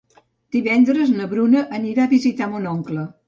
Divendres na Bruna anirà a visitar mon oncle.